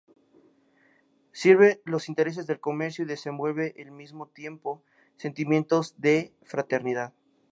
Sirve los intereses del comercio y desenvuelve al mismo tiempo sentimientos de fraternidad.